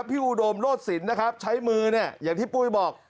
พี่อูโดมโลศิลป์นะครับใช้มืออย่างที่ปุ้ยบอก